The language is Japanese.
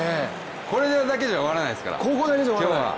ここだけじゃ終わらないですから。